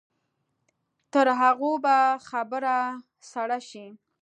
تر هغو به خبره سړه شي.